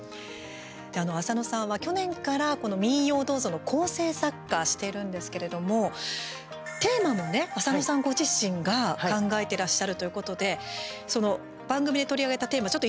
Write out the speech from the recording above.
浅野さんは、去年から、この「民謡をどうぞ」の構成作家をしてるんですけれどもテーマもね、浅野さんご自身が考えてらっしゃるということで番組で取り上げたテーマちょっと